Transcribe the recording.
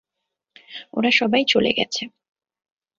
ওরা সবাই চলে গেছে!